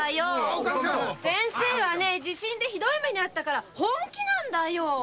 先生は地震のためにヒドイ目に遭ったから本気なんだよ。